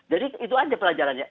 jadi itu saja pelajarannya